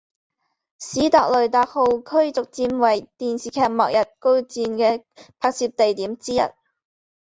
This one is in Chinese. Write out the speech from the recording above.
史特雷特号驱逐舰为电视剧末日孤舰的拍摄地点之一